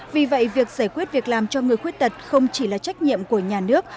vì vậy việc giải quyết việc làm cho người khuyết tật không chỉ là trách nhiệm của nhà nước